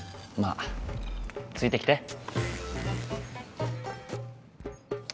まあついてきて。